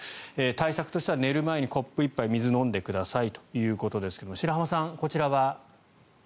対策としては寝る前にコップ一杯水を飲んでくださいということですが白濱さん、こちらは。